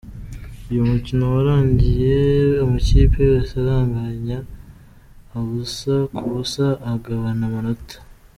Uyu mukino warangiye amakipe yose anganya ubusa ku busa agabana amanota.